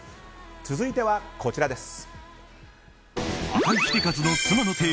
続いては、こちらです。